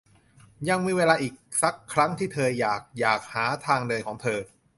ยังมีเวลาอีกสักครั้งที่เธออยาก อยากหาทางเดินของเธอ